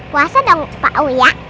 puasa dong pak uya